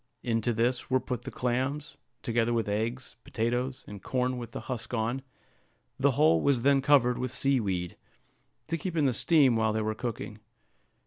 Into this were put the clams, together with eggs, potatoes, and corn with the husk on; the whole was then covered with sea weed, to keep in the steam while they were cooking.